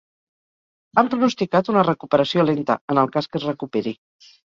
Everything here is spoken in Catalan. Han pronosticat una recuperació lenta, en el cas que es recuperi.